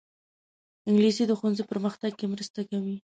انګلیسي د ښوونځي پرمختګ کې مرسته کوي